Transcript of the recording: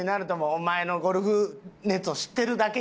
お前のゴルフ熱を知ってるだけにな。